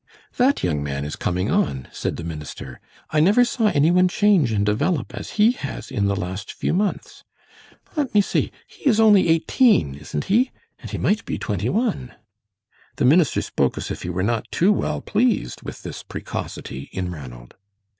"That young man is coming on," said the minister. "I never saw any one change and develop as he has in the last few months. Let me see. He is only eighteen, isn't he, and he might be twenty one." The minister spoke as if he were not too well pleased with this precocity in Ranald.